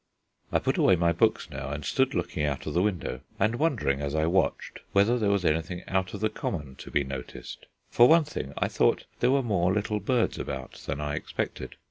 I put away my books now, and sat looking out of the window, and wondering as I watched whether there was anything out of the common to be noticed. For one thing, I thought there were more little birds about than I expected.